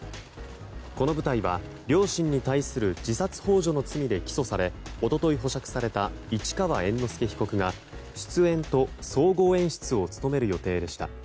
この舞台は、両親に対する自殺幇助の罪で起訴され一昨日保釈された市川猿之助被告が出演と総合演出を務める予定でした。